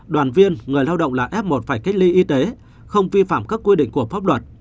đoàn viên người lao động là f một phải cách ly y tế không vi phạm các quy định của pháp luật